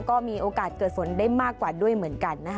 ก็มีโอกาสเกิดฝนได้มากกว่าด้วยเหมือนกันนะคะ